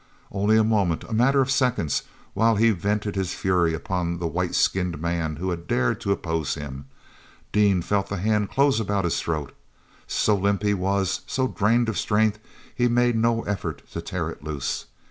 Only a moment—a matter of seconds—while he vented his fury upon this white skinned man who had dared to oppose him. Dean felt the hand close about his throat. So limp he was, so drained of strength, he made no effort to tear it loose.